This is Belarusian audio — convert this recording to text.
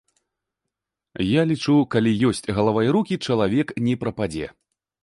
Я лічу, што калі ёсць галава і рукі, чалавек не прападзе.